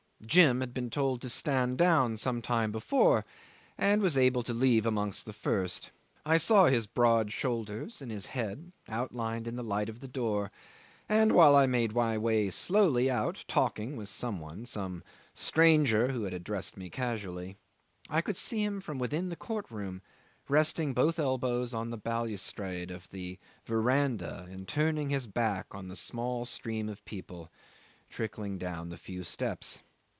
Jim had been told to stand down some time before, and was able to leave amongst the first. I saw his broad shoulders and his head outlined in the light of the door, and while I made my way slowly out talking with some one some stranger who had addressed me casually I could see him from within the court room resting both elbows on the balustrade of the verandah and turning his back on the small stream of people trickling down the few steps.